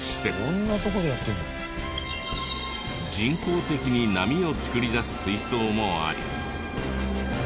人工的に波を作り出す水槽もあり。